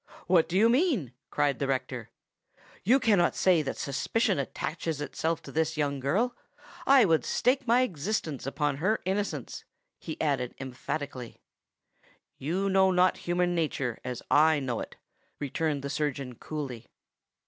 "What do you mean?" cried the rector. "You cannot say that suspicion attaches itself to this young girl. I would stake my existence upon her innocence!" he added emphatically. "You know not human nature as I know it," returned the surgeon coolly.